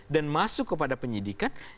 dan masuk kepada penyelidikan